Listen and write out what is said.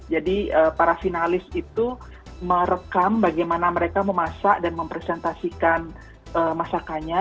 jadi para finalis itu merekam bagaimana mereka memasak dan mempresentasikan masakannya